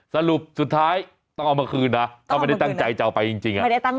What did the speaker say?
สรุปสุดท้ายต้องเอามาคืนนะก็ไม่ได้ตั้งใจจะเอาไปจริง